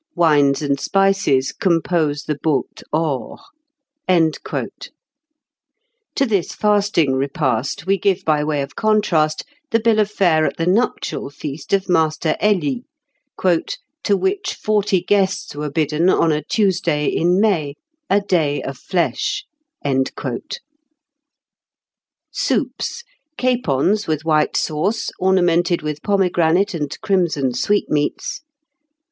"Wines and spices compose the baute hors." To this fasting repast we give by way of contrast the bill of fare at the nuptial feast of Master Helye, "to which forty guests were bidden on a Tuesday in May, a 'day of flesh.'" "Soups. Capons with white sauce, ornamented with pomegranate and crimson sweetmeats.